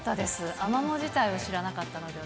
アマモ自体を知らなかったので、私。